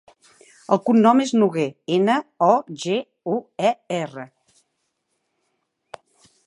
El cognom és Noguer: ena, o, ge, u, e, erra.